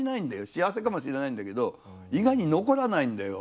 幸せかもしれないんだけど意外に残らないんだよ。